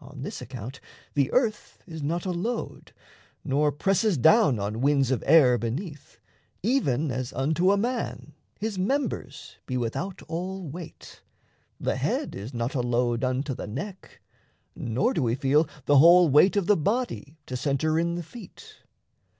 On this account, the earth is not a load, Nor presses down on winds of air beneath; Even as unto a man his members be Without all weight the head is not a load Unto the neck; nor do we feel the whole Weight of the body to centre in the feet.